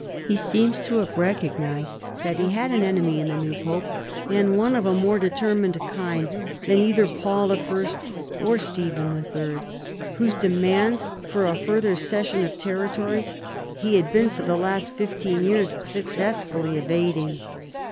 He seems to have recog nized that he had an enemy in the new pope and one of a more determined kind than either Paul I. or Stephen III., whose demands for a further cession of territory he had been for the last fifteen years suc cessfully evading.